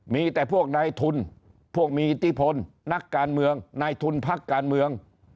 มีแต่พวกนายทุนพวกมีอิทธิพลนักการเมืองนายทุนพักการเมือง